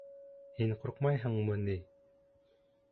— Һин ҡурҡмайһыңмы ни?